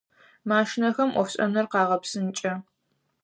Машинэхэм ӏофшӏэныр къагъэпсынкӏэ.